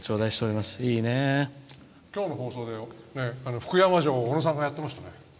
今日の放送で福山城小野さんがやってましたね。